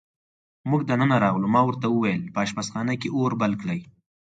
موږ دننه راغلو، ما ورته وویل: په اشپزخانه کې اور بل کړئ.